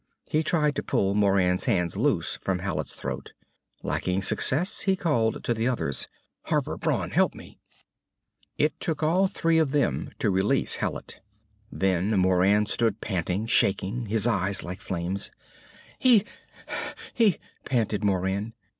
He tried to pull Moran's hands loose from Hallet's throat. Lacking success he called to the others. "Harper! Brawn! Help me!" It took all three of them to release Hallet. Then Moran stood panting, shaking, his eyes like flames. "He he " panted Moran.